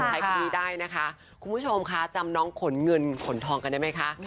ใช้คุณผู้ชมค่ะจำน้องขนเงินขนทองกันได้ไหมคะ